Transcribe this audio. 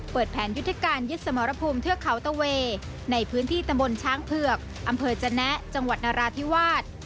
แผนยุทธการยึดสมรภูมิเทือกเขาตะเวในพื้นที่ตำบลช้างเผือกอำเภอจนะจังหวัดนราธิวาส